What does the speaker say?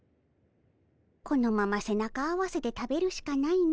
このまま背中合わせで食べるしかないの。